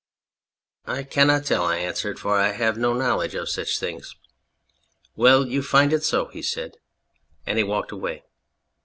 " I cannot tell," I answered, " for I have no know ledge of such things." " Well, you find it is so," he said, and he walked away.